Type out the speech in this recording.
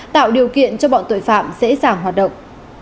tạo điều kiện cho bọn tội phạm dễ dàng hoạt động